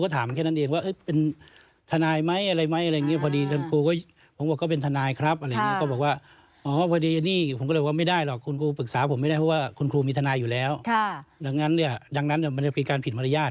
ดังนั้นมันมีการผิดภาษาบรรยาท